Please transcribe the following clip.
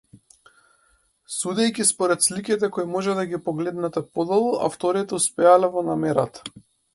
Судејќи според сликите кои може да ги погледнете подолу, авторите успеале во намерата.